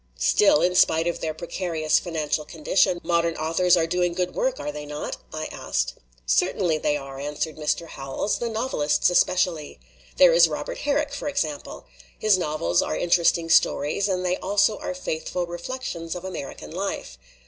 "Still, in spite of their precarious financial con dition, modern authors are doing good work, are they not?" I asked. " Certainly they are," answered Mr. Howells, "the novelists especially. There is Robert Her rick, for example. His novels are interesting stories, and they also are faithful reflections of American life.